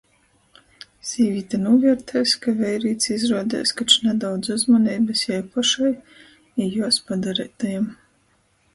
Sīvīte nūviertēs, ka veirīts izruodeis koč nadaudz uzmaneibys jai pošai i juos padareitajam.